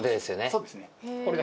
そうですね。